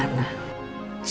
ga taunya pergi kemana